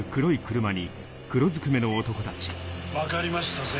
分かりましたぜ